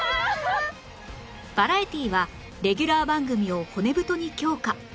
バラエティはレギュラー番組を骨太に強化